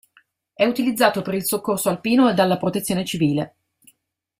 È utilizzato per il soccorso alpino e dalla Protezione civile.